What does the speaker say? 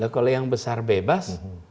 kalau yang besar bebas